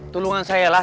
tulungan saya lah